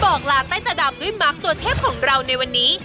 บอกลาใต้ตาดำด้วยมาร์คตัวเทพของเราในวันนี้